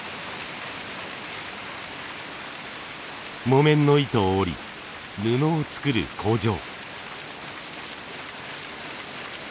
木綿の糸を織り布を作る工場。